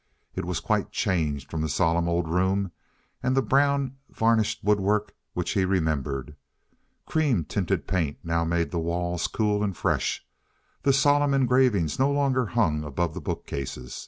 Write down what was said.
It was quite changed from the solemn old room and the brown, varnished woodwork which he remembered. Cream tinted paint now made the walls cool and fresh. The solemn engravings no longer hung above the bookcases.